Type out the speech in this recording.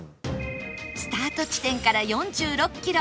スタート地点から４６キロ